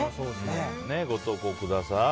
ご投稿ください。